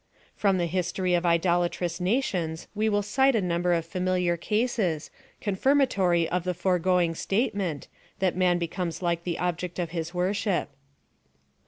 From the history of idolatrous nations we will cite a number of familiar cases, confirmatory of the foregoing statement, that man becomes like the ob ject of his worship.